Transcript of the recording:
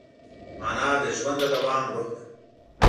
مانا د ژوند د دوام روح ده.